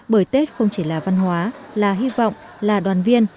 bởi tết không chỉ là văn hóa là hy vọng là đoàn viên